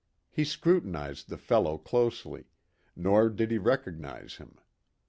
He scrutinized the fellow closely, nor did he recognize him.